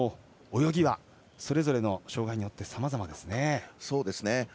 泳ぎはそれぞれの障がいによってさまざまですね。